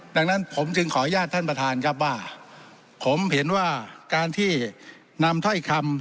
ดังนั้นผมจึงขออนุญาตท่านประธานครับว่าผมเห็นว่าการที่นำถ้อยคำ